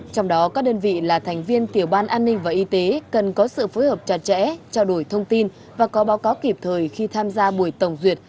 trong đó các đơn vị là thành viên tiểu ban an ninh và y tế cần có sự phối hợp chặt chẽ trao đổi thông tin và có báo cáo kịp thời khi tham gia buổi tổng duyệt